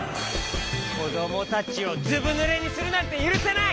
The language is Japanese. こどもたちをずぶぬれにするなんてゆるせない！